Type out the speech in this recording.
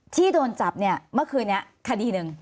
ที่โดนจับเนี่ยเมื่อคืนนี้คดีหนึ่ง